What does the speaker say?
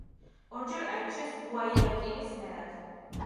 ორჯერ აირჩიეს გუაიაკილის მერად.